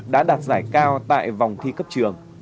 đã đạt giải cao tại vòng thi cấp trường